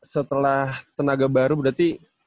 setelah tenaga baru berarti